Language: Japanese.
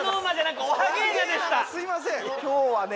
すいません今日はね